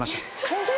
・ホント？